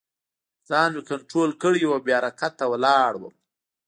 ځان مې کنترول کړی و او بې حرکته ولاړ وم